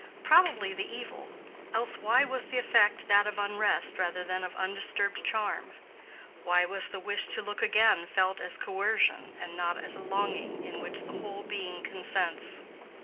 Probably the evil; else why was the effect that of unrest rather than of undisturbed charm? Why was the wish to look again felt as coercion and not as a longing in which the whole being consents?